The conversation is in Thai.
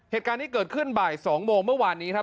เหตุการณ์นี้เกิดขึ้นบ่าย๒โมงเมื่อวานนี้ครับ